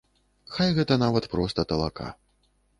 Хай гэта нават проста талака.